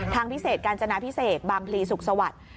ทางพิเศษกาญจนาพิเศษบางพลีสุขสวัสดิ์